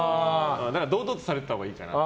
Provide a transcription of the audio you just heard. だから堂々とされたほうがいいかな。